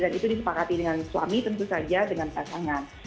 dan itu disepakati dengan suami tentu saja dengan pasangan